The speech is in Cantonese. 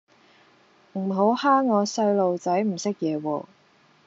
唔好蝦我細路仔唔識野喎